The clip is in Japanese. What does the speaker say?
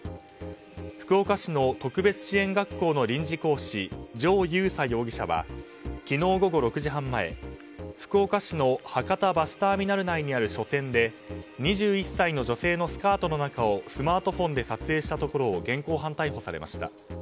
福岡市の特別支援学校の臨時講師城有佐容疑者は昨日午後６時半前福岡市の博多バスターミナル内にある書店で２１歳の女性のスカートの中をスマートフォンで撮影したところを現行犯逮捕されました。